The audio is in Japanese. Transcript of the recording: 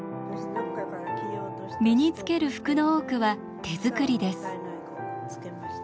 身につける服の多くは手作りです。